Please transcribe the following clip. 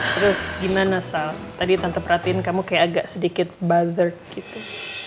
terus gimana sal tadi tante perhatiin kamu kayak agak sedikit buzzer gitu